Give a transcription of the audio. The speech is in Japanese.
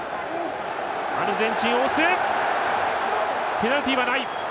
ペナルティはない！